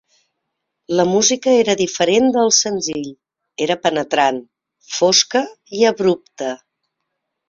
La música era diferent del senzill; era penetrant, fosca i abrupta.